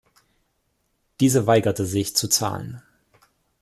Diese weigerte sich zu zahlen.